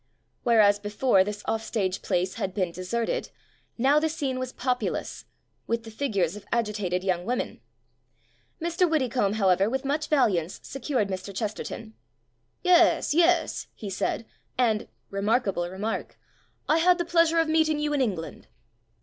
Whereas before this offstage place had been deserted, now the scene was popu lous— ^with the figures of agitated young women. Mr. Widdecombe, how ever, with much valiance secured Mr. Chesterton. "Yes, yes," he said, and (remarkable remark!), "I had the pleasure of meeting you in England."